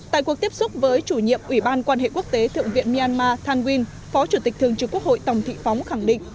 tại cuộc tiếp xúc với chủ nhiệm ủy ban quan hệ quốc tế thượng viện myanmar thang uyên phó chủ tịch thường trực quốc hội tòng thị phóng khẳng định